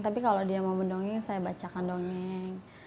tapi kalau dia mau mendongeng saya bacakan dongeng